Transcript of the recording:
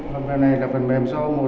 phần mềm này là phần mềm do một